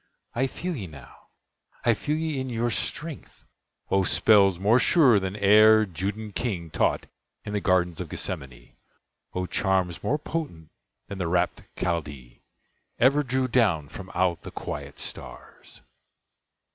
I feel ye now—I feel ye in your strength— O spells more sure than e'er Judæan king Taught in the gardens of Gethsemane! O charms more potent than the rapt Chaldee Ever drew down from out the quiet stars!